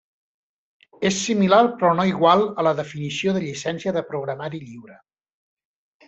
És similar però no igual a la definició de llicència de programari lliure.